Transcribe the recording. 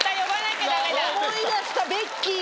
思い出したベッキーだ。